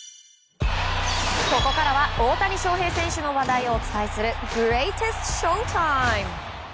ここからは大谷翔平選手の話題をお伝えするグレイテストＳＨＯ‐ＴＩＭＥ。